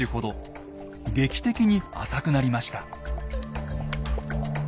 劇的に浅くなりました。